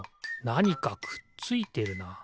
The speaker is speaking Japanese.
なにかくっついてるな。